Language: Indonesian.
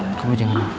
ibu bets yang